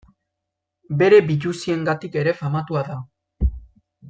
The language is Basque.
Bere biluziengatik ere famatua da.